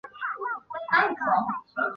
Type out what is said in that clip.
苯基三甲基氟化铵是一种季铵盐。